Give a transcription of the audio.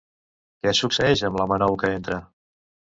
Què succeeix amb l'home nou que entra?